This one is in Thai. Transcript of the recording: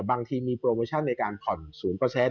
บางทีมีโปรโมชั่นที่ความรายชาติ๐